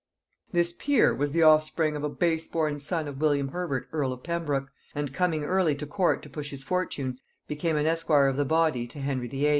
This peer was the offspring of a base born son of William Herbert earl of Pembroke, and coming early to court to push his fortune, became an esquire of the body to Henry VIII.